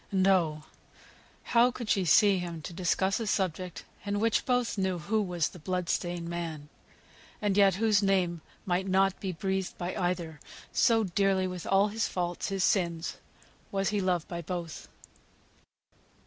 And oh! how could she see him to discuss a subject in which both knew who was the blood stained man; and yet whose name might not be breathed by either, so dearly with all his faults, his sins, was he loved by both.